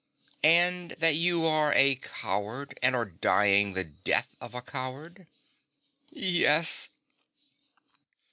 ' And that you are a coward, and are dying the death of a coward ?'' Yes.'